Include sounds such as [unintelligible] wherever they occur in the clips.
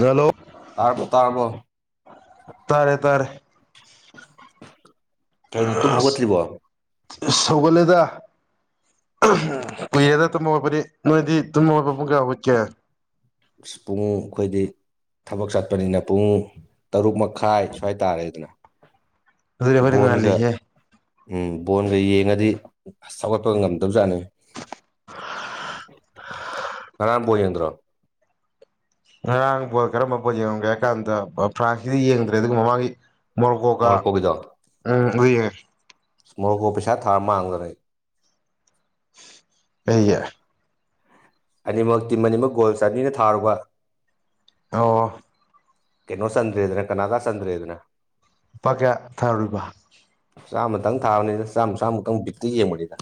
hello ꯇꯥꯔꯔꯕꯣ ꯇꯥꯔꯔꯕꯣ ꯇꯥꯔꯦ ꯇꯥꯔꯦ ꯀꯩꯅꯣ ꯇꯨꯝ ꯍꯧꯒꯠꯇ꯭ꯔꯤꯕꯣ ꯑꯁ ꯁꯧꯒꯜꯂꯦꯗ ꯀꯨꯏꯌꯦꯦꯗ ꯇꯨꯝꯣꯏꯕꯗꯤ ꯅꯣꯏꯗꯤ ꯇꯨꯝꯣꯏꯕ ꯄꯨꯡ ꯀꯌꯥ ꯎꯨꯠꯀꯦ ꯄꯨꯡꯉꯨꯡ ꯑꯩꯈꯣꯏꯗꯤ ꯊꯕꯛ ꯆꯠꯄꯅꯤꯅ ꯄꯨꯡ ꯇꯔꯨꯛ ꯃꯈꯥꯏ ꯁ꯭ꯋꯥꯏ ꯇꯥꯔꯦ ꯑꯗꯨꯅ ꯑꯗꯨꯗꯤ ꯑꯩꯈꯣꯏꯅ ꯣꯣꯟꯒ ꯉꯜꯂꯤꯍꯦ ꯎꯝ ꯕꯣꯟꯒ ꯌꯦꯡꯉꯗꯤ ꯁꯧꯒꯠꯄ ꯉꯝꯗꯕꯖꯥꯠꯅꯤ ꯉꯅꯥꯥꯟ ꯣꯖꯦꯟꯗ꯭ꯔ ꯉꯔꯥꯡ ꯕꯣꯠ ꯀꯔꯝꯕ ꯄꯣꯠ ꯌꯦꯡꯉꯝꯒꯦ ꯍꯥꯏ ꯀꯥꯟꯗ ꯐ꯭ꯔꯥꯟꯁꯁꯤꯗꯤ ꯌꯦꯡꯗ꯭ꯔꯦ ꯑꯗꯨꯒ ꯃꯃꯥꯡꯒꯤ ꯃꯣꯔꯀꯣꯒ ꯃꯣꯔꯣꯀꯣꯒꯤꯗꯣ ꯎꯝ ꯎꯏ ꯁꯃꯣꯔꯣꯛꯀꯣ ꯄꯩꯁꯥ ꯊꯥꯔ ꯃꯥꯡꯗꯔꯦ ꯑꯩ ꯑꯅꯤꯃꯛ ꯇꯤꯝ ꯑꯅꯤꯃꯛ ꯒꯣꯜ ꯆꯅꯤꯅ ꯊꯥꯔꯨꯕ ꯑꯣ ꯀꯩꯅꯣ ꯁꯟꯗ꯭ꯔꯦꯗꯅ ꯀꯅꯥꯗ ꯁꯟꯗ꯭ꯔꯦꯗꯅ ꯄꯥꯛꯀꯌꯥ ꯊꯥꯔꯨꯔꯤꯕ ꯆꯥꯝꯃꯇꯪ ꯊꯥꯕꯅꯤꯅ ꯆꯥꯝꯃ ꯆꯥꯃꯨꯛꯇꯪ ꯕꯤꯠꯇ ꯌꯦꯡꯕꯅꯤꯗ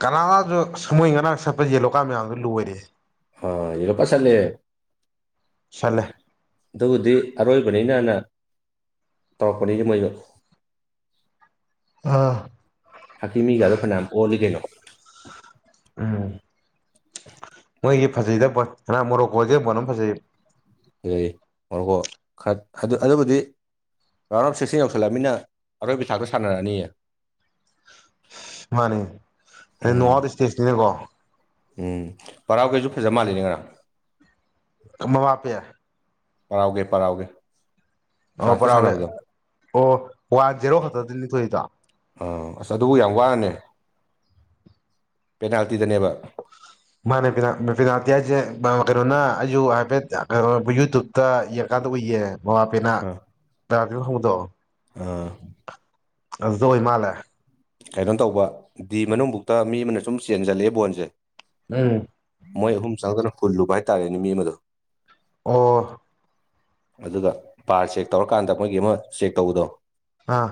ꯀꯅꯥꯁꯨ ꯁꯨꯡꯃꯣꯏ ꯉꯔꯥꯡ ꯁꯠꯄ ꯌꯦꯂꯣꯀꯥꯟ ꯃꯌꯥꯝꯗꯨ ꯂꯣꯏꯔꯦ ꯑ ꯌꯦꯂ ꯄꯁꯂꯦ ꯁꯜꯂꯦ ꯑꯗꯨꯕꯨꯗꯤ ꯑꯔꯣꯏꯕꯅꯤꯅꯅ ꯇꯧꯔꯛꯄꯅꯤ ꯃꯣꯏꯗꯣ [inaudible] ꯑꯥ ꯍꯥꯥꯛꯀꯤ ꯃꯤꯒꯗꯣ ꯐꯅꯌꯥꯝ ꯑꯣꯜꯂꯤ ꯀꯩꯅꯣ ꯎꯝ ꯃꯣꯏꯒꯤ ꯐꯖꯩꯗ ꯍꯅꯥ ꯃꯣꯔꯣꯛ ꯀꯣꯋꯥꯁꯕꯅꯝ ꯐꯖꯩ ꯑꯗꯨꯕꯨꯗꯤ ꯃꯃꯥ ꯃ ꯁꯦꯛꯁꯤꯡ ꯌꯧꯁꯤꯜꯂꯂꯝꯃꯤꯅ ꯑꯩꯔꫭꯏꯒꯤ ꯊꯥꯛꯇꯁꯨ ꯁꯥꯟꯅꯔꯅꯤꯌꯦ ꯃꯥꯅꯦ ꯎꯝ ꯅꯠ ꯏꯁꯇꯦꯁꯅꯤꯅꯦꯀꯣ ꯎꯝ ꯄꯔꯥꯎ ꯀꯩꯁꯨ ꯐꯖ ꯃꯥꯜꯂꯤꯅꯦ ꯉꯔꯥꯡ ꯃ ꯃꯥꯄꯦ ꯄꯔꯥꯎꯒꯦ ꯄꯔꯥꯎꯒꯦ ꯑꯣ ꯐ꯭ꯔꯥꯟꯁꯀ ꯄꯔꯥ ꯁꯥꯟꯅꯕꯗꯣ ꯑꯣ ꯋꯥꯟ ꯖꯦꯔꯣ ꯈꯛꯇꯗꯤ ꯂꯊꯣꯛꯏꯗꯣ ꯑ ꯑꯁ ꯑꯗꯨꯕꯨ ꯌꯥꯝ ꯋꯥꯅꯦ ꯄꯦꯅꯥꯜꯇꯤꯗꯅꯦꯕ [inaudible] ꯃꯥꯅꯦ ꯄꯤꯅꯥꯇꯤ ꯍꯥꯏꯁꯦ ꯀꯩꯅꯣꯅ ꯑꯩꯁꯨ ꯍꯥꯏꯐꯦꯠ ꯀꯩꯅꯣ ꯌꯨꯇꯨꯕꯇ ꯌꯦꯛꯀꯥꯟꯗ ꯎꯏꯌꯦ ꯃꯃꯥꯕꯦꯅꯥ ꯔꯖ ꯍꯧꯕꯗꯣ ꯑꯥ ꯑꯖꯣ ꯏꯃꯥ ꯀꯩꯅꯣ ꯇꯧꯕ ꯗꯤ ꯃꯅꯨꯡꯃꯨꯛꯇ ꯃꯤ ꯑꯃꯅ ꯁꯨꯝ ꯆꯦꯟꯖꯜꯂꯛꯑꯦ ꯕꯣꯟꯁꯦ ꯎꯝ ꯃꯣꯏ ꯑꯍꯨꯝ ꯆꯪꯗꯅ ꯍꯨꯜꯂꯨꯕ ꯍꯥꯏꯇꯥꯔꯦ ꯅꯨ ꯃꯤ ꯑꯃꯗꯣ ꯑꯣ ꯑꯗꯨꯒ ꯕꯥꯔ ꯆꯦꯛ ꯇꯧꯔꯀꯥꯟꯗ ꯃꯣꯏꯒꯤ ꯑꯃ ꯆꯦꯛ ꯇꯧꯕꯗꯣ ꯑꯥ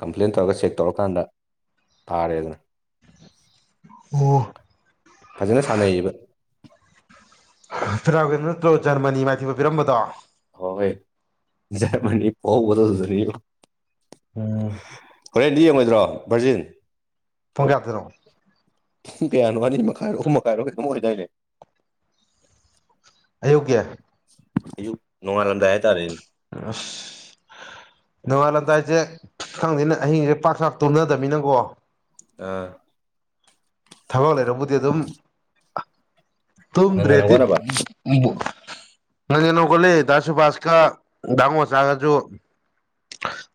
ꯀꯝꯄ꯭ꯂꯦꯟ ꯇꯧꯔꯒ ꯆꯦꯛ ꯇꯧꯔꯀꯥꯟꯗ ꯇꯥꯔꯦ ꯑꯗꯨꯅ ꯑꯣ ꯐꯖꯅ ꯁꯥꯟꯅꯩꯌꯦꯕ ꯄꯔꯥ ꯅꯠꯇ꯭ꯔꯣ ꯖꯔꯃꯅꯤ ꯃꯥꯏꯊꯤꯕ ꯄꯤꯔꯝꯕꯗꯣ ꯍꯣꯏ ꯖꯃꯅꯤ ꯐꯣꯊ ꯊꯗ ꯅ ꯑ ꯍꯣꯔꯦꯟꯗꯤ ꯌꯦꯡꯉꯣꯏꯗ꯭ꯔꯣ ꯚꯔꯖꯤꯟ ꯊꯣꯡ ꯀꯥꯞꯇꯔꯛꯑꯣ ꯄꯨꯡ ꯀꯌꯥꯅꯣ ꯑꯅꯤ ꯃꯈꯥꯏꯔ ꯑꯍꯨꯝ ꯃꯈꯥꯏꯔꯣ ꯈꯤꯇꯪ ꯑꯣꯏꯗꯣꯏꯅꯦ ꯑꯌꯣꯒ꯭ ꯑꯌ ꯅꯅꯨꯡꯉꯔꯂꯝꯗ ꯍꯥꯏ ꯇꯔꯦ ꯑꯐ ꯅꯣꯡꯉꯥꯜꯂꯝꯗꯥꯏꯁꯦ ꯈꯪꯗꯅ ꯑꯍꯤꯡꯁꯦ ꯄꯥꯛ ꯆꯥꯛ ꯇꯨꯅꯗꯕꯃꯤꯅꯪꯀꯣ ꯑꯥ ꯊꯕꯛ ꯂꯩꯔꯕꯨꯗꯤ ꯑꯗꯨꯝ ꯉꯟ ꯉꯟꯅ ꯇꯨꯝꯗ꯭ꯔꯦꯗꯤ ꯍꯧꯒꯠꯅꯕ ꯅꯪꯦ ꯅꯒꯣꯜꯂꯤ ꯆꯁꯨ ꯐꯥꯁ ꯀ ꯗꯃꯣ ꯆꯥꯒꯁꯨ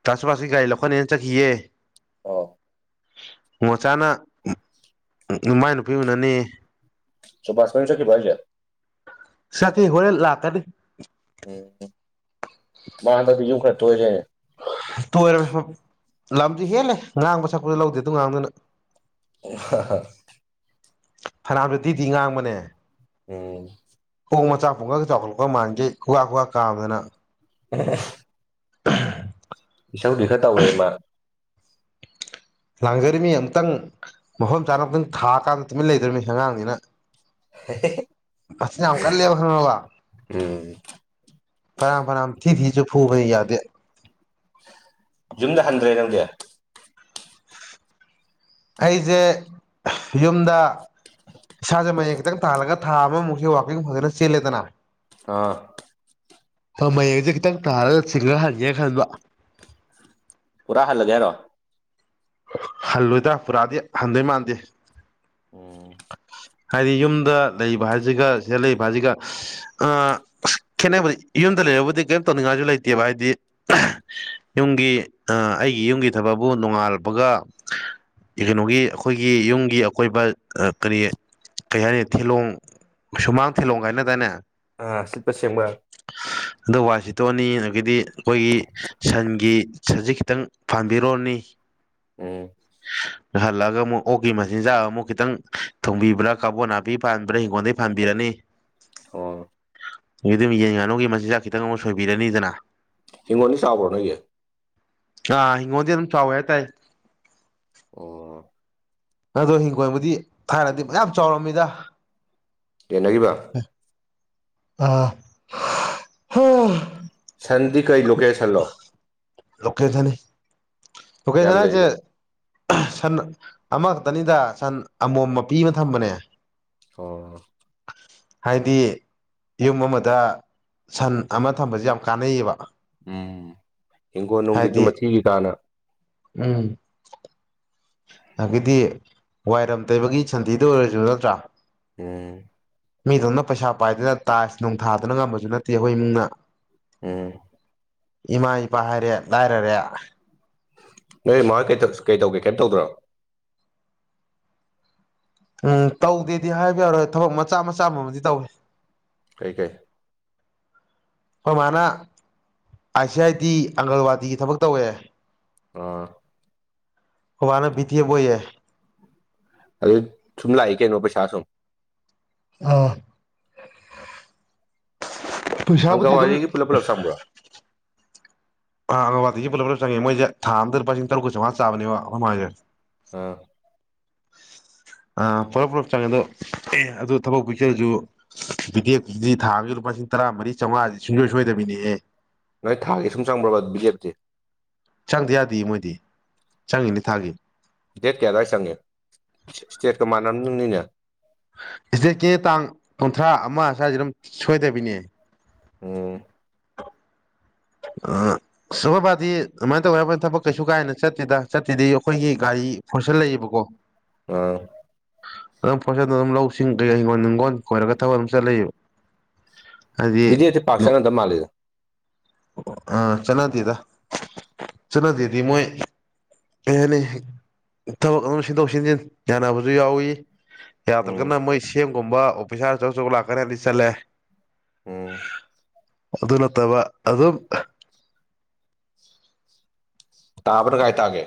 ꯇꯁꯨ ꯃꯥꯁꯤꯀꯤ ꯒꯥꯔꯤ ꯂꯧꯈꯠꯅꯦꯅ ꯆꯠꯈꯤꯌꯦ ꯑ ꯃꯣꯆꯥꯅ ꯅꯨꯃꯥꯏ ꯅꯨꯄꯤ ꯎꯅꯅꯤ ꯆꯨꯕꯁ ꯃꯃꯤꯁꯨ ꯀꯤꯚꯥꯏ ꯌꯥꯦ ꯁꯀꯤꯦ ꯍꯔꯦꯜ ꯂꯥꯛ ꯀꯗꯤ ꯎꯝ ꯃꯗꯗꯤ ꯌꯨꯝ ꯈꯔ ꯊꯣꯏꯁꯦꯅꯦ ꯇꯣꯏꯔꯝꯃꯦ ꯂꯝꯁꯨ ꯍꯦꯜꯂꯦ ꯉꯥꯡꯕ ꯁꯛꯄꯁꯨ ꯂꯧꯗꯦ ꯑꯗꯨ ꯉꯥꯡꯗꯅ ꯍꯥ ꯍꯣꯏ ꯐꯅꯥꯝꯁꯨ ꯇꯤꯗꯤꯤ ꯉꯥꯡꯕꯅꯦ ꯎꯝ ꯍꯣꯡ ꯃꯆꯥꯛ ꯄꯣꯡꯉꯒ ꯆꯥꯎꯈꯠꯂꯛꯄ ꯃꯥꯟꯒꯤ ꯈꯨꯀ ꯈꯨꯋꯥ ꯀꯥꯝꯗꯅ ꯎ ꯏꯁꯧꯗꯤ ꯈꯔ ꯇꯧꯋꯦꯃ ꯂꯥꯡꯖꯔꯤꯃꯤ ꯑꯃꯨꯛꯇꯪ ꯃꯐꯝ ꯆꯥꯅ ꯑꯃꯨꯛꯇꯪ ꯊꯥꯀꯥꯟꯗ ꯇꯨꯃꯤꯟ ꯂꯩꯗꯧꯃꯤ ꯑꯉꯥꯡꯅꯤꯅ [inaudible] ꯁ ꯌꯥꯝ ꯀꯜꯂꯦꯕ ꯈꯪꯉꯕ ꯎꯝ ꯐꯔꯥꯝ ꯐꯔꯥꯝ ꯊꯤ ꯊꯤꯁꯨ ꯐꯨꯕ ꯌꯥꯗꯦ ꯌꯨꯝꯗ ꯍꯟꯗ꯭ꯔꯦ ꯅꯪꯗꯤ ꯑꯩꯁꯦ ꯌꯨꯝꯗ ꯏꯁꯥꯁꯦ ꯃꯌꯦꯛꯡ ꯈꯤꯇꯪ ꯇꯥꯜꯂꯒ ꯊꯥ ꯑꯃꯃꯨꯛꯁꯤꯦ ꯋꯥꯥꯛꯀꯤꯡ ꯐꯖꯅ ꯆꯦꯜꯂꯦꯗꯅ ꯑꯥ ꯍꯣꯏ ꯃꯌꯦꯛꯁꯦ ꯈꯤꯇꯪ ꯇꯥꯔꯒ ꯁꯤꯡꯉ ꯍꯟꯒꯦ ꯈꯟꯕ ꯄꯨꯔꯥ ꯍꯜꯂꯒꯦ ꯍꯥꯏꯔꯣ ꯍꯜꯂꯣꯏꯗ ꯄꯨꯔꯥꯗꯤ ꯍꯟꯗꯣꯏ ꯃꯥꯟꯗꯦ ꯎꯝ ꯍꯥꯏꯗꯤ ꯌꯨꯝꯗ ꯂꯩꯕ ꯍꯥꯏꯁꯤꯒ ꯁꯤꯗ ꯂꯩꯕ ꯍꯥꯏꯁꯤꯒ ꯑ ꯑꯁ ꯈꯦꯠꯅꯕꯗꯤ ꯌꯨꯝꯗ ꯂꯩꯕꯨꯗꯤ ꯀꯔꯤꯝ ꯇꯧꯅꯤꯡꯉꯥꯏꯁꯨ ꯂꯩꯇꯦꯕ ꯍꯥꯏꯗꯤ ꯌꯨꯝꯒꯤ ꯑꯩꯒꯤ ꯌꯨꯝꯒꯤ ꯊꯕꯛꯕꯨ ꯅꯣꯡꯉꯥꯜ ꯕꯒ ꯀꯩꯅꯣꯒꯤ ꯑꯩꯈꯣꯏꯒꯤ ꯌꯨꯝꯒꯤ ꯑꯀꯣꯏꯕ ꯀꯔꯤ ꯀꯩ ꯍꯥꯏꯅꯤ ꯊꯤꯂꯣꯡ ꯁꯨꯃꯥꯡ ꯊꯤꯂꯣꯡ ꯀꯥꯏꯅ ꯇꯅꯦ ꯑ ꯁꯤꯠꯄ ꯁꯦꯡꯕ ꯑꯣ ꯋꯥꯏ ꯇꯣꯛꯑꯅꯤ ꯑꯗꯒꯤꯗꯤ ꯑꯩꯈꯣꯏꯒꯤ ꯁꯟꯒꯤ ꯁꯟꯁꯤ ꯈꯤꯇꯪ ꯐꯝꯕꯤꯔꯣꯅꯤ ꯎꯝ ꯍꯜꯂꯒ ꯑꯃꯨꯛ ꯑꯣꯛꯀꯤ ꯃꯆꯤꯟꯖꯥꯛ ꯑꯃꯨꯛ ꯈꯤꯇꯪ ꯊꯣꯡꯕꯤꯕ꯭ꯔꯥ ꯀꯥꯕꯣ ꯅꯥꯄꯤ ꯐꯥꯟꯕ꯭ꯔꯥ ꯍꯤꯡꯒꯣꯜꯗꯒꯤꯩ ꯐꯥꯟꯕꯤꯔꯅꯤ ꯑꯣ ꯑꯗꯨꯝ ꯌꯦꯟ ꯉꯥꯅꯨꯒꯤ ꯃꯆꯤꯟꯖꯥꯛ ꯈꯤꯇꯪ ꯑꯃꯨꯛ ꯁꯣꯏꯕꯤꯔꯅꯤꯗꯅ ꯍꯤꯡꯈꯣꯜꯗꯤ ꯆꯥꯎꯕ꯭ꯔꯣ ꯅꯣꯏꯒꯤ ꯑ ꯍꯤꯡꯒꯣꯗꯤ ꯑꯗꯨꯝ ꯆꯥꯎꯋꯦ ꯍꯥꯏꯇꯥꯥꯏꯦ ꯑꯣ ꯑꯗꯣ ꯍꯤꯡꯒꯣꯜꯕꯨꯗꯤ ꯊꯥꯏꯅꯗꯤ ꯃꯌꯥꯝ ꯆꯥꯎꯔꯝꯃꯤꯗ ꯌꯦꯅꯈꯤꯕ ꯑꯥ ꯍꯣꯏ [unintelligible] ꯁꯟꯗꯤ ꯀꯩ ꯂꯣꯀꯦꯁꯟꯂꯣ ꯂꯀꯦꯜ ꯅꯤ ꯂꯀꯦꯜ ꯀꯌꯥꯝ ꯁꯟ ꯍꯥꯏꯁꯦ ꯂꯩꯔꯤꯕ ꯁꯟ ꯑꯃꯈꯛꯇꯅꯤꯗ ꯁꯟ ꯑꯃꯣꯝ ꯃꯄꯤ ꯑꯃ ꯊꯝꯕꯅꯦ ꯑꯣ ꯍꯥꯏꯗꯤ ꯌꯨꯝ ꯑꯃꯗ ꯁꯟ ꯑꯃ ꯊꯝꯕꯁꯦ ꯌꯥꯝ ꯀꯥꯟꯅꯩꯌꯦꯕ ꯎꯝ ꯍꯤꯡꯒꯣꯜ ꯅꯨꯡꯒꯤꯁꯨ ꯍꯥꯏꯗꯤ ꯃꯊꯤꯒꯤ ꯀꯥꯅ ꯎꯝ ꯑꯗꯒꯤꯗꯤ ꯋꯥꯏꯔꯝ ꯇꯩꯕꯒꯤ ꯁꯟꯊꯤꯗ ꯑꯣꯏꯔꯁꯨ ꯅꯠꯇ꯭ꯔꯥ ꯑ ꯃꯤꯗꯣꯝꯅ ꯄꯩꯁꯥ ꯄꯥꯏꯗꯅ ꯇꯥꯏꯁ ꯅꯣꯡꯊꯥꯗꯨꯅ ꯉꯝꯕꯁꯨ ꯅꯠꯇꯦ ꯑꯩꯈꯣꯏ ꯏꯃꯨꯡꯅ ꯎꯝ ꯏꯃꯥ ꯏꯄꯥ ꯍꯥꯏꯔꯦ ꯂꯥꯏꯔꯔꯦ ꯅꯣꯏ ꯃꯥ ꯀꯩ ꯇꯧꯒꯦ ꯀꯩꯝ ꯇꯧꯗ꯭ꯔꯣ ꯎꯝ ꯇꯧꯗꯦꯗꯤ ꯍꯥꯏꯕ ꯌꯥꯔꯣꯏ ꯊꯕꯛ ꯃꯆꯥ ꯃꯆꯥ ꯀꯨꯝꯃꯗꯤ ꯇꯧꯏꯦ ꯀꯩ ꯀꯩ ꯍꯣꯏ ꯃꯥꯅ ꯑꯥꯏ ꯁꯤ ꯑꯥꯏ ꯇꯤ ꯑꯪꯒꯜꯋꯥꯗꯤꯒꯤ ꯊꯕꯛ ꯇꯧꯋꯦ ꯑꯥ ꯑꯣ ꯋꯥꯅ ꯄꯤꯇꯦꯕꯣ ꯌꯥꯦ ꯑ ꯁꯨꯝ ꯂꯥꯛ ꯑꯦ ꯀꯩꯅꯣ ꯄꯩꯁꯥꯁꯨꯝ ꯑꯥ ꯄꯨꯩꯁꯥꯕꯗꯤ ꯑꯗꯨꯝ ꯑꯪꯀꯋꯥꯔꯤꯒꯤ ꯄꯨꯂꯞ ꯄꯨꯂꯞ ꯆꯪꯕ꯭ꯔꯣ ꯑꯥꯪꯀꯜꯋꯥꯇꯤ ꯄꯨꯂꯞꯅ ꯆꯪꯉꯦ ꯃꯣꯏꯁꯦ ꯊꯥꯗ ꯂꯨꯄꯥ ꯂꯤꯁꯤꯡ ꯇꯔꯨꯛ ꯆꯃꯉꯥ ꯆꯕꯃꯥꯏꯁꯦ ꯑ ꯄꯨꯂꯞ ꯄꯨꯂꯞ ꯆꯪꯉꯦ ꯑꯗꯣ ꯑꯗꯨ ꯊꯕꯛ ꯄꯤꯆꯔꯁꯨ ꯕꯤꯗꯤꯌꯦꯞꯗꯤ ꯊꯥꯡꯒꯤ ꯂꯨꯄꯥ ꯂꯤꯁꯤꯡ ꯇꯔꯥ ꯃꯔꯤ ꯆꯥꯝꯃꯉꯥꯥꯁꯦ ꯁꯨꯡꯁꯣꯏ ꯁꯣꯏꯗꯕꯤꯅꯦꯍꯦ ꯅꯣꯏ ꯊꯥꯒꯤ ꯁꯨꯝ ꯆꯪꯕ꯭ꯔꯕ ꯕꯤꯗꯤꯌꯦꯞꯇꯤ ꯆꯪꯗ ꯌꯥꯗꯦ ꯃꯣꯏꯗꯤ ꯆꯪꯉꯤꯅꯤ ꯊꯥꯒꯤ ꯗꯦꯠ ꯀꯌꯥꯗꯥꯥꯗꯒ ꯆꯪꯉꯤ ꯁ꯭ꯇꯦꯠꯀ ꯃꯥꯟꯅ ꯔꯝꯗꯣꯏꯅꯤꯅꯦ ꯏꯁꯇꯦꯠꯀꯤ ꯇꯥꯡ ꯀꯨꯟꯊ꯭ꯔꯥ ꯑꯃ ꯁ꯭ꯋꯥꯏꯁꯤꯗ ꯑꯗꯨꯝ ꯁꯣꯏꯗꯕꯤꯅꯦ ꯑꯣ [unintelligible] ꯑ ꯑꯩꯈꯣꯏꯕꯥꯗꯤ ꯑꯗꯨꯃꯥꯏꯅ ꯇꯧꯋꯦꯍꯥꯏꯕꯒꯤ ꯋꯥꯅꯦ ꯊꯕꯛ ꯀꯩꯁꯨ ꯀꯥ ꯍꯦꯟꯅ ꯆꯠꯇꯦꯗ ꯆꯠꯇꯨꯏꯗꯤ ꯑꯩꯈꯣꯏꯒꯤ ꯒꯥꯔꯤ ꯐꯣꯔꯁꯟ ꯂꯩꯌꯦꯕꯀꯣ ꯑꯥ ꯑꯗꯨꯝ ꯄꯣꯠꯆꯩ ꯑꯗꯨꯝ ꯂꯧꯁꯤꯡ ꯀꯩꯀꯩ ꯍꯤꯡꯒꯣꯜ ꯅꯨꯡꯒꯣꯜ ꯈꯣꯏꯔꯒ ꯊꯕꯛ ꯑꯗꯨꯝ ꯆꯠ ꯂꯩꯕ ꯕꯤꯗ‌ꯦꯗꯤ ꯄꯥꯛ ꯆꯪꯅꯗ ꯃꯥꯜꯂꯤꯗ ꯑ ꯆꯠꯅꯗ‌ꯦꯗ ꯆꯠꯅꯗ‌ꯦꯗꯤ ꯃꯣꯏ ꯀꯩ ꯍꯥꯏꯅꯤ ꯊꯕꯛ ꯑꯃ ꯁꯤꯟꯗꯣꯛ ꯁꯤꯟꯖꯤꯟ ꯌꯥꯅꯕꯁꯨ ꯌꯥꯎꯋꯤ ꯎꯝ ꯌꯥꯗ꯭ꯔꯒꯅ ꯃꯣꯏ ꯁꯤꯑꯦꯝꯒꯨꯝꯕ ꯑꯣꯐꯤꯁꯥꯔ ꯑꯆꯧ ꯑꯆꯧꯕ ꯂꯥꯛꯀꯥꯟꯗꯗꯤ ꯆꯠꯂꯦ ꯎꯝ ꯑꯗꯨ ꯅꯠꯇꯕ ꯑꯗꯨꯝ ꯇꯥꯕꯅ ꯀꯥꯏ ꯇꯥꯒꯦ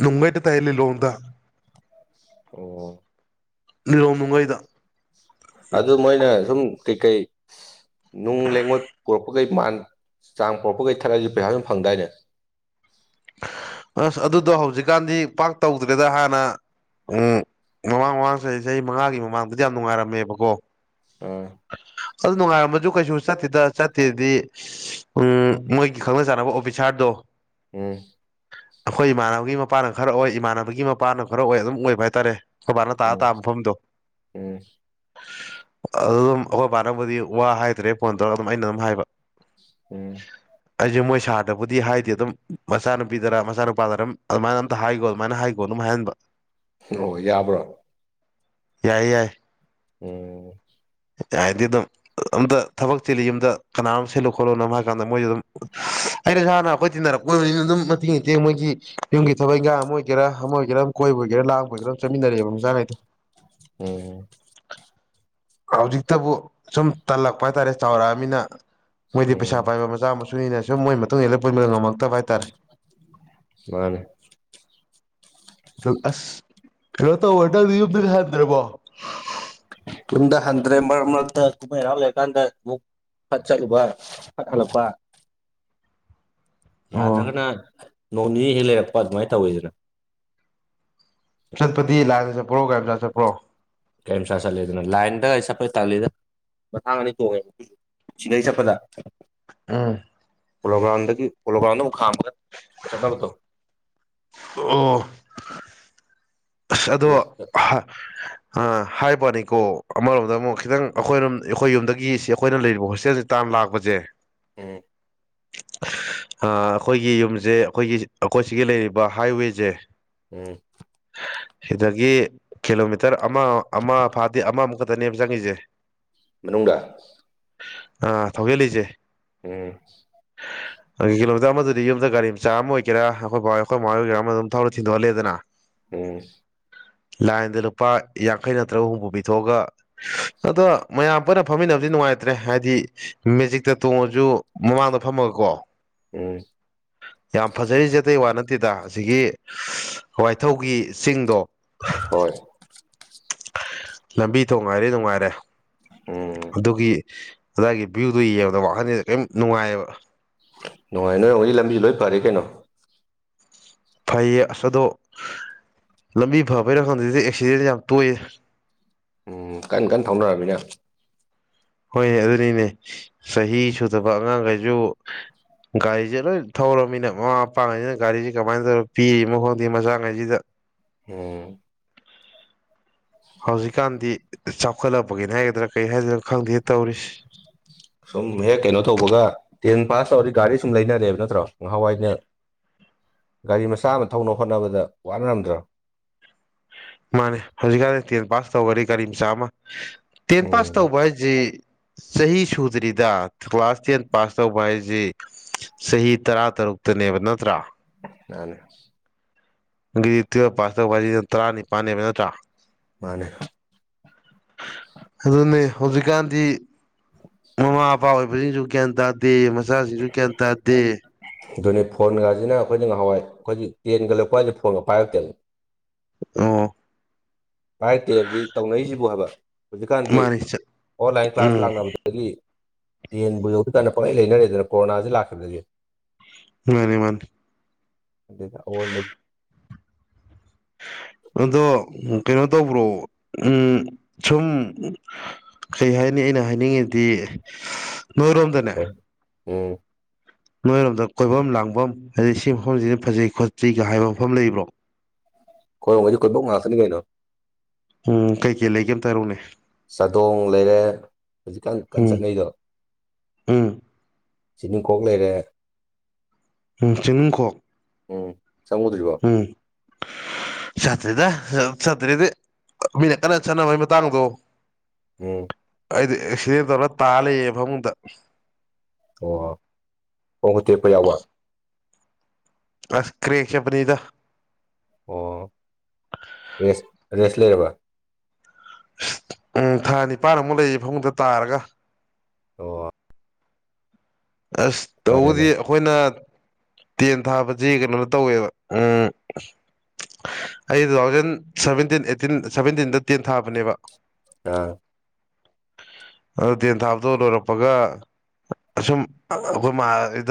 ꯅꯨꯡꯕ ꯍ‌ꯦꯛꯇ ꯇꯥꯏ ꯂꯤꯂꯣꯡꯗ ꯑꯣ ꯂꯤꯂ‌ꯣꯡ ꯅꯨꯡꯉꯩꯗ ꯑꯗꯨ ꯃꯣꯏꯅ ꯁꯨꯝ ꯀꯩ ꯀꯩ ꯅꯨꯡ ꯂꯩꯉꯣꯏ ꯄꯨꯔꯛꯄꯈꯩ ꯃꯥꯟ ꯆꯥꯡ ꯄꯨꯔꯛꯄꯈꯩ ꯊꯒꯠꯂꯗꯤ ꯄꯩꯁꯥ ꯗꯨꯝ ꯐꯪꯗꯥꯏꯅꯦ ꯑꯁ ꯑꯗꯨꯗꯣ ꯍꯧꯖꯤꯛꯀꯥꯟꯗꯤ ꯄꯥꯛ ꯇꯧꯗ꯭ꯔꯦꯗ ꯍꯥꯟꯅ ꯎꯝ ꯃꯃꯥꯡ ꯃꯃꯥꯡ ꯆꯍꯤ ꯆꯍꯤ ꯃꯉꯥꯒꯤ ꯃꯃꯥꯡꯗꯗꯤ ꯌꯥꯝ ꯅꯨꯡꯉꯥꯏꯔꯝꯃꯦꯕꯀꯣ ꯑꯥ ꯑꯗꯨ ꯅꯨꯡꯉꯥꯏꯔꯝꯕꯁꯨ ꯀꯩꯁꯨ ꯆꯠꯇꯦꯗ ꯆꯠꯇꯦꯗꯤ ꯎꯝ ꯃꯣꯏꯒꯤ ꯈꯪꯅ ꯆꯥꯟꯅꯕ ꯑꯣꯐꯤꯁꯥꯔꯗꯣ ꯎꯝ ꯑꯩꯈꯣꯏ ꯏꯃꯥꯟꯅꯕꯒꯤ ꯃꯄꯥꯅ ꯈꯔ ꯑꯣꯏ ꯏꯃꯥꯟꯅꯕꯒꯤ ꯃꯄꯥꯥꯅ ꯈꯔ ꯑꯣꯏ ꯑꯗꯨꯝ ꯑꯣꯏꯕ ꯍꯥꯏꯇꯥꯔꯦ ꯈ‌ꯣꯏ ꯕꯥꯥꯅ ꯇꯥ ꯎꯝ ꯇꯥ ꯃꯐꯝꯗꯣ ꯎꯝ ꯑꯗꯨ ꯗꯨꯝ ꯑꯩꯈꯣꯏ ꯕꯥꯅꯕꯨꯗꯤ ꯋꯥ ꯍꯥꯏꯗ꯭ꯔꯦ ꯐꯣꯟ ꯇꯧꯔ ꯑꯗꯨꯝ ꯑꯩꯅ ꯑꯗꯨꯝ ꯍꯥꯏꯕ ꯎꯝ ꯑꯩꯖ‌ꯦ ꯃꯣꯏ ꯁꯥꯔꯗꯕꯨꯗꯤ ꯍꯥꯏꯗ‌ꯦ ꯗꯨꯝ ꯃꯆꯥꯅꯨꯄꯤꯗꯔ ꯃꯆꯥꯅꯨꯄꯥꯗꯔ ꯑꯝ ꯑꯗꯨꯃꯥꯏꯅ ꯑꯝꯇ ꯍꯥꯏꯈꯣ ꯑꯗꯨꯃꯥꯏꯅ ꯍꯥꯏꯈꯣ ꯑꯗꯨꯝ ꯍꯥꯏꯍꯟꯕ ꯑꯣ ꯌꯥꯕ꯭ꯔꯣ ꯌꯥꯏ ꯌꯥꯏ ꯑꯣ [unintelligible] ꯗꯨꯝ ꯑꯝꯇ ꯊꯕꯛ ꯆꯤꯜꯂꯤ ꯌꯨꯝꯗ ꯀꯅꯥꯅ‌‌ꯣꯝ ꯁꯤꯜꯂꯨ ꯈꯣꯠꯂꯨꯅꯣ [unintelligible] ꯍꯥꯏ ꯀꯥꯟꯗ ꯃꯣꯏꯗꯤ ꯑꯗꯨꯝ ꯑꯩꯅꯁꯨ ꯍꯥꯟꯅ ꯑꯩꯈꯣꯏ ꯇꯤꯟꯅꯔꯛꯄ ꯑꯣꯏꯅꯤꯅ ꯑꯗꯨꯝ ꯃꯇꯦꯡ ꯏꯇꯦꯡ ꯃꯣꯏꯒꯤ ꯌꯨꯝꯒꯤ ꯊꯕꯛ ꯏꯪꯈꯥꯡ ꯑꯃ ꯑꯣꯏꯒꯦꯔꯥ ꯑꯃ ꯑꯣꯏꯒꯦꯔꯥ ꯀꯣꯏꯕ ꯑꯣꯏꯒꯦꯔꯥ ꯂꯥꯡꯕ ꯑꯣꯏꯒꯦꯔꯥ ꯑꯝ ꯆꯠꯃꯤꯟꯅꯔꯛꯑꯦꯕ ꯃꯆꯥꯈꯩꯗꯣ ꯑꯣ ꯍꯧꯖꯤꯛꯇꯕꯨ ꯁꯨꯝ ꯇꯜꯂꯛꯄ ꯍꯥꯏꯇꯥꯔꯦ ꯆꯥꯎꯔꯛꯑꯃꯤꯅ ꯃꯣꯏꯗꯤ ꯎꯝ ꯄꯩꯁꯥ ꯄꯥꯏꯕ ꯃꯆꯥ ꯃꯁꯨꯅꯤꯅ ꯁꯨꯝ ꯃꯣꯏ ꯃꯇꯨꯡ ꯏꯜꯂ ꯄꯨꯟꯕꯗ‌ꯣ ꯉꯝꯃꯛꯇꯕ ꯍꯥꯏꯇꯥꯔꯦ ꯃꯥꯅꯦ ꯑ ꯑꯁ ꯀꯩꯅꯣ ꯇꯧꯕ ꯅꯪꯗꯤ ꯌꯨꯝꯗꯒ ꯍꯟꯗ꯭ꯔꯕꯣ ꯌꯨꯝꯗ ꯍꯟꯗ꯭ꯔꯦ ꯃꯔꯛ ꯃꯔꯛꯇ ꯀꯨꯝꯍꯩ ꯍꯔꯥꯎ ꯂꯩꯔꯀꯥꯟꯗ ꯑꯃꯨꯛ ꯐꯠ ꯆꯠꯂꯨꯕ ꯐꯠ ꯍꯜꯂꯛꯄꯥ ꯑꯣ ꯌꯥꯗ꯭ꯔꯒꯅ ꯅꯣꯡ ꯅꯤꯅꯤ ꯍꯦꯛ ꯂꯩꯔꯛꯄ ꯑꯗꯨꯃꯥꯏ ꯇꯧꯋꯤꯗꯅ ꯆꯠꯄꯗꯤ ꯂꯥꯏꯟꯗ ꯆꯠꯄ꯭ꯔꯣ ꯒꯥꯔꯤ ꯃꯆꯥ ꯆꯠꯄ꯭ꯔꯣ ꯒꯔꯤꯃꯆꯥ ꯆꯠꯂꯦꯗꯅ ꯂꯥꯏꯟꯗ ꯑꯩ ꯆꯠꯄꯩ ꯇꯜꯂꯤꯗ ꯃꯊꯥꯡ ꯑꯅꯤ ꯇꯣꯡꯉꯦ [inaudible] ꯁꯤꯗꯩ ꯆꯠꯄꯗ ꯎꯝ ꯄ‌ꯣꯂꯣꯒ꯭ꯔꯥꯎꯟꯗꯒꯤ ꯄ‌ꯣꯂꯣꯒ꯭ꯔꯥꯎꯟꯗ ꯑꯃꯨꯛ ꯈꯥꯝꯃꯒ ꯆꯠ [unintelligible] ꯑꯣ [unintelligible] ꯑꯗꯣ ꯎꯝ ꯍꯥ [inaudible] ꯍꯥꯏꯕ꯭ꯋꯅꯤꯀꯣ ꯑꯃꯔꯣꯝꯗ ꯑꯃꯨꯛ ꯈꯤꯇꯪ ꯑꯩꯈꯣꯏꯔꯣꯝ ꯑꯩꯈꯣꯏ ꯌꯨꯝꯗꯒꯤ ꯁꯤ ꯑꯩꯈꯣꯏꯅ ꯂꯩꯔꯤꯕ ꯍꯣꯁꯇꯦꯜꯁꯦ ꯇꯥꯝ ꯂꯥꯛꯄꯁꯦ ꯎꯝ ꯑꯥ ꯑꯩꯈꯣꯏꯒꯤ ꯌꯨꯝꯖꯦ ꯑꯩꯈꯣꯏꯒꯤ ꯑꯩꯈꯣꯏ ꯁꯤꯒꯤ ꯂꯩꯔꯤꯕ ꯍꯥꯏꯋꯦꯖꯦ ꯎꯝ ꯁꯤꯗꯒꯤ ꯀꯤꯂꯣꯃꯤꯇꯔ ꯑꯃ ꯑꯃ ꯐꯥꯗꯦ ꯑꯃꯃꯨꯛ ꯈꯛꯇꯅꯦꯕ ꯆꯪꯉꯤꯖꯦ ꯃꯅꯨꯡꯗ ꯑ ꯊꯧꯒꯤꯜꯂꯤꯖꯦ ꯎꯝ ꯑ ꯀꯤꯂꯣꯃꯤꯇꯔ ꯑꯃꯗꯨꯗꯤ ꯌꯨꯝꯗ ꯒꯥꯔꯤ ꯃꯆꯥ ꯑꯃ ꯑꯣꯏꯒꯦꯔꯥ ꯑꯩꯈꯣꯏ ꯕꯥꯍꯣꯏ ꯑꯩꯈꯣꯏ ꯃꯥꯍꯣꯏ ꯑꯣꯏꯒꯦꯔꯥ ꯑꯃ ꯑꯗꯨꯝ ꯊꯧꯔꯥ ꯊꯤꯟꯗꯣꯛꯍꯜꯂꯦꯗꯅ ꯎꯝ ꯂꯥꯏꯟꯗ ꯂꯨꯄꯥ ꯌꯥꯡꯈꯩ ꯅꯠꯇ꯭ꯔꯒ ꯍꯨꯝꯐꯨ ꯄꯤꯊꯣꯛꯑꯒ ꯑꯗꯣ ꯃꯌꯥꯝ ꯄꯨꯟꯅ ꯐꯝꯃꯤꯟꯅꯕꯗꯤ ꯅꯨꯡꯉꯥꯏꯇ꯭ꯔꯦ ꯍꯥꯏꯗꯤ ꯃꯦꯖꯤꯛꯇ ꯇꯣꯡꯉꯖꯨ ꯃꯃꯥꯡꯗ ꯐꯝꯃꯒꯀꯣ ꯎꯝ ꯌꯥꯝ ꯐꯖꯔꯤꯖꯦ ꯑꯇꯩ ꯋꯥ ꯅꯠꯇꯦꯗ ꯑꯁꯤꯒꯤ ꯊꯧꯒꯤ ꯆꯤꯡꯗꯣ ꯍꯣꯏ ꯂꯝꯕꯤ ꯊꯣꯡ ꯍꯥꯏꯔꯦ ꯅꯨꯡꯉꯥꯏꯔꯦ ꯎꯝ ꯑꯗꯨꯒꯤ ꯑꯗꯥꯏꯒꯤ ꯚ꯭ꯌꯨꯗꯣ ꯌꯦꯡꯕꯗ ꯋꯥꯈꯜꯖꯦ ꯀꯩꯝ ꯅꯨꯡꯉꯥꯏꯑꯕ ꯅꯨꯡꯉꯥꯏ ꯅꯣꯏꯍꯣꯏꯒꯤ ꯂꯝꯕꯤ ꯂꯣꯏ ꯐꯔꯦ ꯀꯩꯅꯣ ꯐꯩꯌꯦ ꯑꯁ ꯑꯗꯣ ꯂꯝꯕꯤ ꯐꯕꯩꯔꯥ ꯈꯪꯗꯦ ꯑꯦꯛꯁꯤꯗꯦꯟ ꯌꯥꯝ ꯇꯣꯏꯌꯦ ꯎꯝ ꯀꯟ ꯀꯟ ꯊꯧꯅꯔꯝꯅꯤꯅ ꯍꯣꯏ ꯑꯗꯨꯅꯤꯅꯦ ꯆꯍꯤ ꯁꯨꯗꯕ ꯑꯉꯥꯡꯒꯩꯖꯨ ꯒꯥꯔꯤꯖꯦ ꯂꯣꯏ ꯊꯧꯔꯝꯅꯤꯅ ꯃꯃꯥ ꯃꯄꯥꯥꯉꯩꯖꯤꯅ ꯒꯥꯔꯤꯖꯦ ꯀꯃꯥꯏꯅ ꯇꯧꯔ ꯄꯤꯔꯤꯅꯣ ꯈꯪꯗꯦ ꯃꯆꯥꯉꯩꯖꯤꯗ ꯎꯝ ꯍꯧꯖꯤꯛꯀꯥꯟꯗꯤ ꯆꯥꯎꯈꯠꯂꯛꯄꯒꯤꯅꯦ ꯍꯥꯏꯒꯗ꯭ꯔꯥ ꯀꯔꯤ ꯍꯥꯏꯗꯣꯏꯅꯣ ꯈꯪꯗꯦ ꯇꯧꯔꯤꯁꯤ ꯁꯨꯝ ꯍꯦꯛ ꯀꯩꯅꯣ ꯇꯧꯕꯒ ꯇꯦꯟ ꯄꯥꯁ ꯇꯧꯔꯗꯤ ꯒꯥꯔꯤ ꯁꯨꯝ ꯂꯩꯅꯔꯦꯕ ꯅꯠꯇ꯭ꯔꯣ ꯉꯍꯥꯟꯋꯥꯏꯅ ꯒꯥꯔꯤ ꯃꯆꯥ ꯑꯃ ꯊꯧꯅꯕ ꯍꯣꯠꯅꯕꯗ ꯋꯥꯅꯔꯝꯗ꯭ꯔꯣ ꯃꯥꯅꯦ ꯍꯧꯖꯤꯛꯀꯥꯟꯗꯤ ꯇꯦꯟ ꯄꯥꯁ ꯇꯧꯕꯗꯤ ꯒꯥꯔꯤ ꯃꯆꯥ ꯑꯃ ꯇꯦꯟ ꯄꯥꯁ ꯎꯝ ꯇꯧꯕ ꯍꯥꯏꯖꯤ ꯆꯍꯤ ꯁꯨꯗ꯭ꯔꯤꯗ ꯀ꯭ꯂꯥꯁ ꯇꯦꯟ ꯄꯥꯁ ꯇꯧꯕ ꯍꯥꯏꯖꯤ ꯆꯍꯤ ꯇꯔꯥ ꯇꯔꯨꯛꯇꯅꯦꯕ ꯅꯠꯇ꯭ꯔꯥ [unintelligible] [unintelligible] ꯇꯨꯌꯦꯜꯞ ꯄꯥꯁ ꯇꯧꯕ ꯍꯥꯏꯖꯤꯅ ꯇꯔꯥꯅꯤꯄꯥꯟꯅꯦꯕ ꯅꯠꯇ꯭ꯔꯥ ꯃꯥꯅꯦ ꯑꯗꯨꯅꯦ ꯍꯧꯖꯤꯛꯀꯥꯟꯗꯤ ꯃꯃꯥ ꯃꯄꯥ ꯑꯣꯏꯕꯖꯤꯡꯖꯨ ꯒ꯭ꯌꯥꯟ ꯇꯥꯗꯦ ꯃꯆꯥꯖꯤꯡꯁꯨ ꯒ꯭ꯌꯥꯟ ꯇꯥꯗꯦ ꯑꯗꯨꯅꯤ ꯐꯣꯟꯒꯖꯤꯅ ꯑꯩꯈꯣꯏꯅ ꯉꯍꯥꯟꯋꯥꯏ ꯑꯩꯈꯣꯏꯒꯤ ꯇꯦꯟꯒ ꯂꯣꯏꯔꯛꯄ ꯍꯥꯏꯖꯤ ꯐꯣꯟꯒ ꯄꯥꯏꯔꯛꯇꯦ ꯑꯣ ꯄꯥꯏꯔꯛꯇꯦꯞꯗꯤ ꯇꯧꯅꯔꯤꯁꯤꯕꯨ ꯍꯥꯏꯕ ꯍꯧꯖꯤꯛꯀꯥꯟꯗꯤ ꯃꯥꯅꯤ ꯑꯣꯟꯂꯥꯏꯟ ꯀ꯭ꯂꯥꯁ ꯎꯝ ꯂꯥꯛꯅꯕꯗ ꯗꯒꯤ ꯇꯦꯟꯕꯨ ꯌꯧꯗ꯭ꯔꯤꯀꯥꯟꯗ ꯄꯪꯂꯩ ꯂꯩꯅꯔꯦꯗꯅ ꯀꯣꯔꯣꯅꯥꯖꯤ ꯂꯥꯛꯈꯤꯕꯗꯒꯤ ꯃꯥꯅꯦ ꯃꯥꯅꯦ ꯑꯗꯨꯅ ꯑꯋꯣꯟꯕ ꯑꯗꯣ ꯀꯩꯅꯣ ꯇꯧꯕ꯭ꯔꯣ ꯎꯝ ꯁꯨꯝ ꯀꯩ ꯍꯥꯏꯅꯤ ꯑꯩꯅ ꯍꯥꯏꯅꯤꯡꯉꯤꯗꯤ ꯅꯣꯏꯔꯣꯝꯗ ꯎꯝ ꯅꯣꯏꯔꯣꯝꯗ ꯀꯣꯏꯕꯝ ꯂꯥꯡꯕꯝ ꯍꯥꯏꯗꯤ ꯁꯤ ꯃꯐꯝꯖꯤ ꯐꯖꯩ ꯈꯣꯠꯁꯤ ꯀꯥ ꯍꯥꯏꯕ ꯃꯐꯝ ꯂꯩꯕ꯭ꯔꯣ ꯍꯣꯏ [unintelligible] ꯀꯣꯏꯕꯝ ꯉꯥꯛꯇꯅꯤ ꯀꯩꯅꯣ ꯎꯝ ꯀꯩꯀꯩ ꯂꯩꯒꯦ ꯑꯃꯇ ꯍꯥꯏꯔꯛꯎꯅꯦ ꯆꯥꯗꯣꯡ ꯂꯩꯔꯦ ꯍꯧꯖꯤꯛꯀꯥꯟ ꯀꯟ ꯎꯝ ꯆꯠꯅꯩꯗꯣ ꯎꯝ ꯆꯤꯅꯤꯡꯈꯣꯛ ꯂꯩꯔꯦ ꯎꯝ ꯆꯤꯡꯅꯨꯡꯈꯣꯛ ꯎꯝ ꯁꯨꯗ꯭ꯔ ꯍ ꯁꯥꯇ꯭ꯔꯤꯗ ꯁꯥꯇ꯭ꯔꯤꯗꯤ ꯃꯤꯅ ꯀꯟꯅ ꯆꯠꯅꯕꯒꯤ ꯃꯇꯥꯡꯗꯣ ꯎꯝ ꯑꯩꯗꯤ ꯑꯦꯛꯁꯤꯗꯦꯟ ꯇꯧꯔ ꯇꯥꯜ ꯂꯩꯌꯦ ꯐꯃꯨꯡꯗ ꯑꯣ ꯄꯣꯡ ꯍ ꯇꯦꯛꯄ ꯌꯥꯎꯕ ꯑꯁ ꯀ꯭ꯔꯔꯤꯦꯛ ꯆꯄꯅꯤꯗ ꯑꯣ ꯔꯦꯁ ꯔꯦꯁ ꯂꯩꯔꯕ ꯎꯝ ꯊꯥ ꯅꯤꯄꯥꯟꯃꯨꯛ ꯂꯩꯌꯦ ꯐꯃꯨꯡꯗ ꯇꯥꯔꯒ ꯑꯣ ꯑꯁ ꯐꯔꯦꯅꯦ ꯇꯧꯕꯗꯤ ꯑꯩꯈꯣꯏꯅ ꯇꯦꯟ ꯊꯥꯁꯦ ꯀꯩꯅꯣꯅ ꯇꯧꯋꯦꯕ ꯎꯝ ꯑꯩ ꯇꯨ ꯊꯥꯎꯖꯟ ꯁꯚꯦꯟꯇꯤꯟ ꯑꯩꯠꯇꯤꯟ ꯁꯚꯦꯟꯇꯤꯟꯗ ꯇꯦꯟ ꯊꯥꯕꯅꯦꯕ ꯑ ꯑꯗꯨ ꯇꯦꯟ ꯊꯥꯕꯇꯣ ꯂꯣꯏꯔꯛꯄꯒ ꯑꯁꯨꯝ [inaudible]